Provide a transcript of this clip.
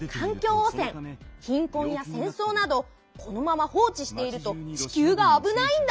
おせんひんこんやせんそうなどこのまま放置していると地球があぶないんだ！